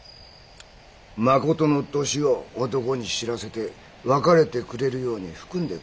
まことの年を男に知らせて別れてくれるように含んでくれってね。